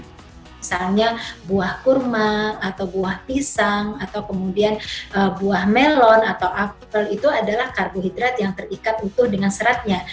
misalnya buah kurma atau buah pisang atau kemudian buah melon atau apel itu adalah karbohidrat yang terikat utuh dengan seratnya